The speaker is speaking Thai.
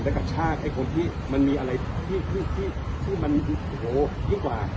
และกับชาติไอ้คนที่มันมีอะไรที่ที่ที่ที่มันโอ้โหยิ่งกว่า